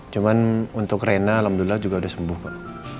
cuman untuk reyna alhamdulillah juga udah sembuh pak